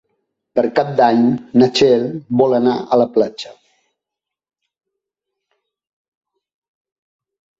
Per Cap d'Any na Txell vol anar a la platja.